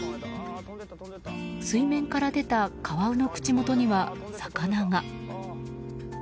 水面から出たカワウの口元には、魚が。